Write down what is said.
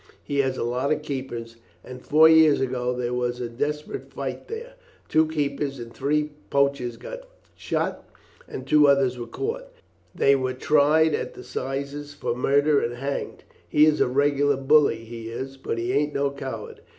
He has a lot of keepers, and four years ago there was a desperate fight there. Two keepers and three poachers got shot, and two others were caught; they were tried at the 'sizes for murder and hanged. He is a regular bully, he is, but he ain't no coward.